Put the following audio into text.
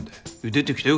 出てきたよ